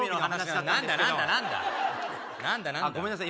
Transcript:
なんだごめんなさい